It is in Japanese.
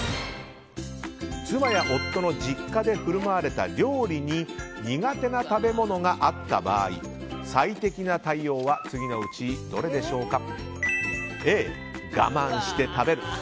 妻や夫の実家で振る舞われた料理に苦手な食べ物があった場合最適な対応は次のうちどれでしょうか？